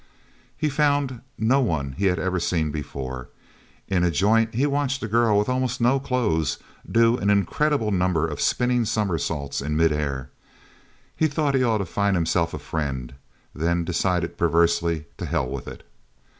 He found no one he had ever seen before. In a joint he watched a girl with almost no clothes, do an incredible number of spinning somersaults in mid air. He thought he ought to find himself a friend then decided perversely, to hell with it.